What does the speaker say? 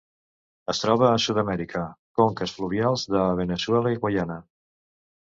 Es troba a Sud-amèrica: conques fluvials de Veneçuela i Guaiana.